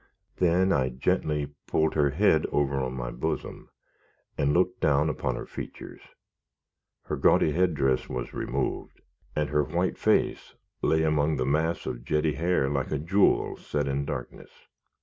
Then I gently pulled her head over on my bosom, and looked down upon her features. Her gaudy head dress was removed, and her white face lay among the mass of jetty hair like a jewel set in darkness.